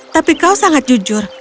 tapi kau sangat jujur